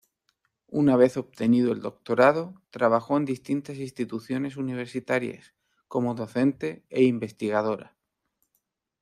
Una vez obtenido el doctorado, trabajó en distintas instituciones universitarias como docente e investigadora.